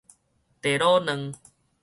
茶滷卵